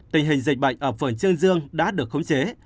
tình hình dịch bệnh ở phường trương dương đã được khống chế